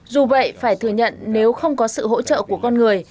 dù vậy phải thừa nhận nếu không có sự hỗ trợ của con người